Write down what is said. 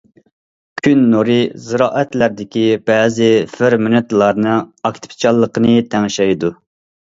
كۈن نۇرى زىرائەتلەردىكى بەزى فېرمېنتلارنىڭ ئاكتىپچانلىقىنى تەڭشەيدۇ.